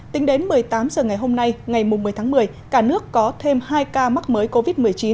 tính đến một mươi tám h ngày hôm nay ngày một mươi tháng một mươi cả nước có thêm hai ca mắc mới covid một mươi chín